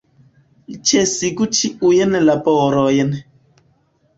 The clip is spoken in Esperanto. Ĉesigu ĉiujn laborojn!